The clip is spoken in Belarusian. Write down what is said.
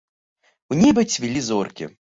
У небе цвілі зоркі.